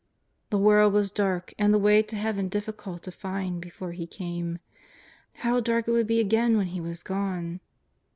The world was dark and the way to Heaven difficult to find before He came. How dark it would be again when He was gone